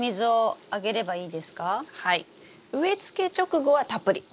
植えつけ直後はたっぷり。